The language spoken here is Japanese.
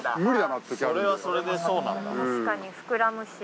それはそれでそうなんだ。